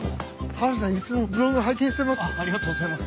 ハルさんいつもブログ拝見してます。